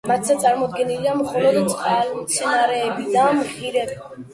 მათზე წარმოდგენილია მხოლოდ წყალმცენარეები და მღიერები.